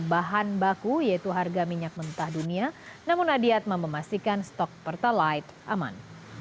bahan baku yaitu harga minyak mentah dunia namun adiatma memastikan stok pertalite aman